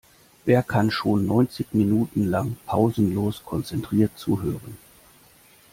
Wer kann schon neunzig Minuten lang pausenlos konzentriert zuhören?